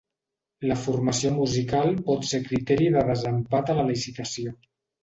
La formació musical pot ser criteri de desempat a la licitació.